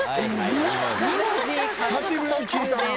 久しぶりに聞いたな。